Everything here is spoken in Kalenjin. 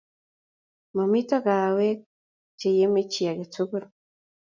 Mamito kaawaek che yemei chi age tugul